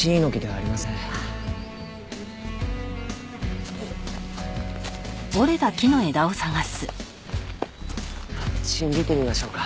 あっち見てみましょうか。